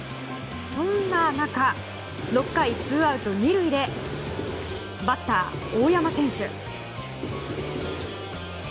そんな中６回ツーアウト２塁でバッター、大山選手。